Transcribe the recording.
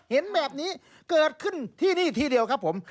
เห็นแบบนี้เกิดขึ้นที่นี่ทีเดียวครับผม